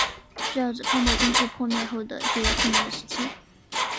主要指泡沫经济破灭后的就业困难的时期。